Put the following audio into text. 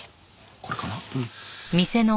これかな？